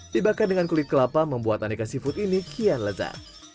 dibakar dengan kulit kelapa membuat aneka seafood ini kian lezat